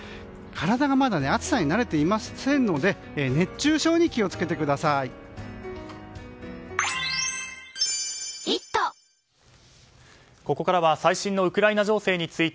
体がまだ暑さに慣れていませんので熱中症に気を付けてください。